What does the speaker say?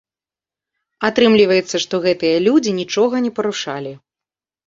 Атрымліваецца, што гэтыя людзі нічога не парушалі!